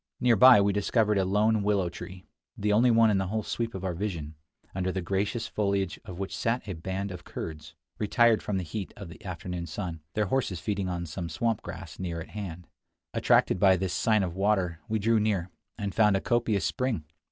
Near by we discovered a lone willow tree, the only one in the whole sweep of our vision, under the gracious foliage of which sat a band of Kurds, retired from the heat of the afternoon sun, their horses feeding on some swamp grass near at hand. Attracted by this sign of water, we drew near, and found a copious spring.